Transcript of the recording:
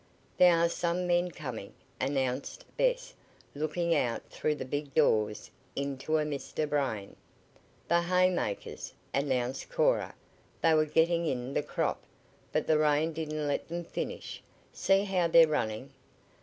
"There are some men coming," announced Bess, looking out through the big doors into a mist of rain. "The haymakers," announced Cora. "They were getting in the crop, but the rain didn't let them finish. See how they're running."